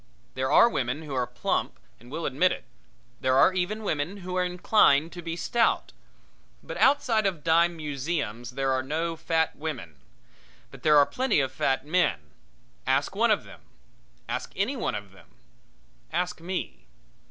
There are women who are plump and will admit it; there are even women who are inclined to be stout. But outside of dime museums there are no fat women. But there are plenty of fat men. Ask one of them. Ask any one of them. Ask me.